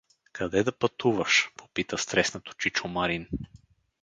— Къде да пътуваш? — попита стреснато чичо Марин.